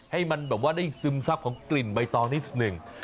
ให้มันแบบว่าได้ซึมซับของกลิ่นใบตองนิดหนึ่ง